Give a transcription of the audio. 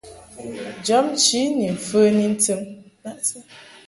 Jɔbnchi ni mfəni ntɨm.